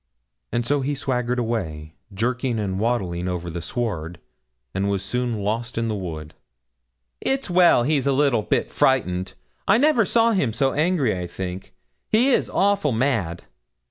And so he swaggered away, jerking and waddling over the sward, and was soon lost in the wood. 'It's well he's a little bit frightened I never saw him so angry, I think; he is awful mad.'